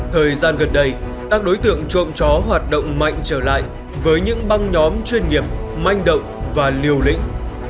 thời gian gần đây các đối tượng trộm chó hoạt động mạnh trở lại với những băng nhóm chuyên nghiệp manh động và liều lĩnh